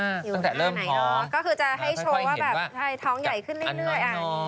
ก็คือจะให้โชว์ว่าแบบท้องใหญ่ขึ้นเรื่อยอ่ะ